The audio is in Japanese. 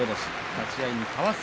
立ち合いかわす